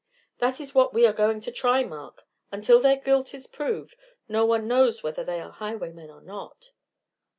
"That is what we are going to try, Mark. Until their guilt is proved, no one knows whether they are highwaymen or not."